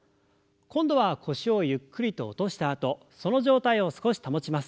今度は腰をゆっくりと落としたあとその状態を少し保ちます。